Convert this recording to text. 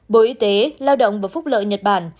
bộ y tế lao động và phúc lợi nhật bản